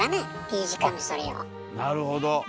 なるほど。